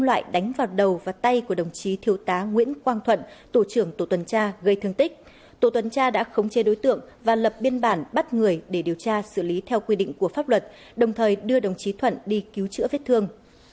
các loại đánh vào đầu và tay của đồng chí thiếu tá nguyễn quang thuận tổ trưởng tổ tuần tra gây thương tích tổ tuần tra đã khống chế đối tượng và lập biên bản bắt người để điều tra xử lý theo quy định của pháp luật đồng thời đưa đồng chí thuận đi cứu chữa vết thương